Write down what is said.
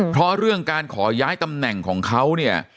เพราะเรื่องการขอย้ายตำแหน่งของเขาเนี่ย